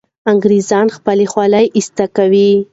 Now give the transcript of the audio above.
انګریزان خپله خولۍ ایسته کوي.